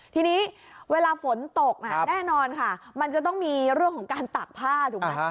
ทีนี้เวลาฝนตกแน่นอนค่ะมันจะต้องมีเรื่องของการตากผ้าถูกไหม